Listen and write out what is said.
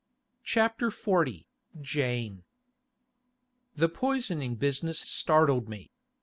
CHAPTER XL JANE 'The poisoning business startled me.